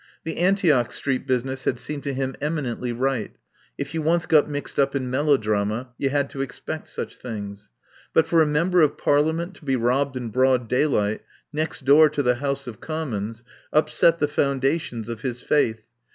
The Antioch Street business had seemed to him eminently right; if you once got mixed up in melodrama you had to expect such things. But for a Member of Parliament to be robbed in broad daylight next door to the House of Commons upset the foundations of his faith.